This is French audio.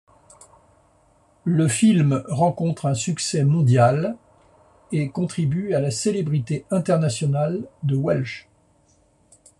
Le film rencontre un succès mondial et contribue à la célébrité internationale de Welsh.